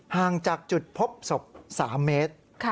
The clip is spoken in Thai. ห่างจากจุดพบศพ๓เมตร